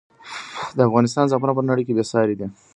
د افغانستان زعفران په نړۍ کې بې ساری دی.